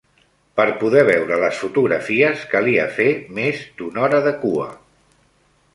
Per poder veure les fotografies calia fer més d'una hora de cua.